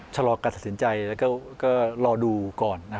ชะลอกกันสันสินใจแล้วก็รอดูก่อนนะครับ